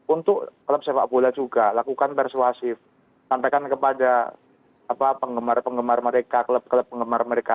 untuk klub sepak bola juga lakukan persuasif sampaikan kepada penggemar penggemar mereka klub klub penggemar mereka